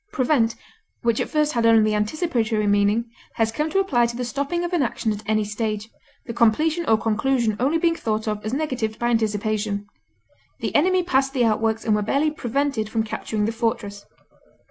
Prevent, which at first had only the anticipatory meaning, has come to apply to the stopping of an action at any stage, the completion or conclusion only being thought of as negatived by anticipation; the enemy passed the outworks and were barely prevented from capturing the fortress.